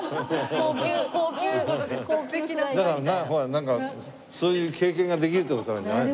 ほらなんかそういう経験ができるって事なんじゃないの？